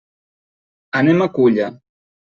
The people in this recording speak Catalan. Anem a Culla.